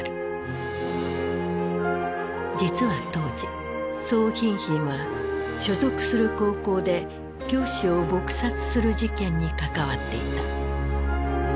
実は当時宋彬彬は所属する高校で教師を撲殺する事件に関わっていた。